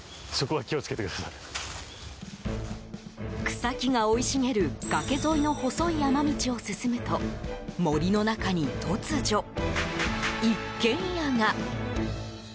草木が生い茂る崖沿いの細い山道を進むと森の中に突如、一軒家が。